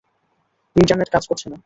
Internet কাজ করছে না।